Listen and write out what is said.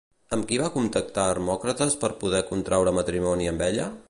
Amb qui va contactar Hermòcrates per poder contraure matrimoni amb ella?